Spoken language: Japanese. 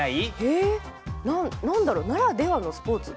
え何だろう？ならではのスポーツ？